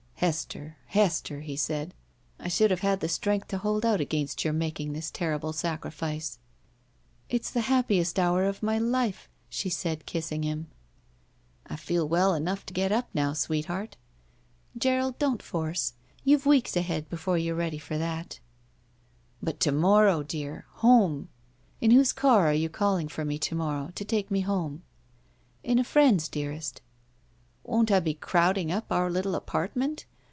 "Hester, Hester," he said, "I should have had the strength to hold out against yotu: making this terrible sacrifice." "It's the happiest hour of my life," she said, kissing him. I feel well enough to get up now, sweetheart." Gerald, don't force. You've weeks ahead before you are ready for that." "But to morrow, dear, home! In whose car are you callii^g for me to morrow to take me hontef "In a friend's, dearest." "Won't I be crowding up our little apartment?